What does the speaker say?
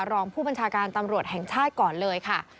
รองผู้บัญชาการตำรวจแห่งชาติก่อนเลยค่ะ